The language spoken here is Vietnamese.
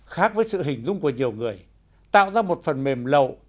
khác với sự hình dung của nhiều người tạo ra một phần mềm lậu